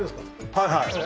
はいはい。